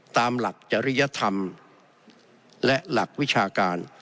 ตามหลักจริยธรรมและหลักวิชาการ